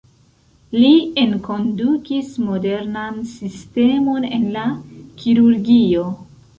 Li enkondukis modernan sistemon en la kirurgio.